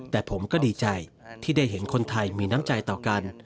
แต่ผมก็ดีใจที่ได้เห็นคนไทยมีน้ำใจต่อกัน